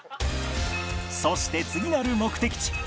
［そして次なる目的地